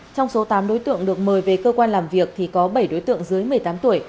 trong số tám đối tượng được mời về cơ quan làm việc thì có bảy đối tượng dưới một mươi tám tuổi